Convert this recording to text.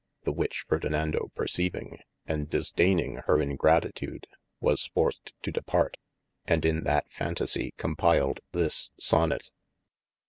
The which Ferdinando perceiving, and disdaining her ingratitude, was forced to depart, and in that fantasie compiled this Sonet.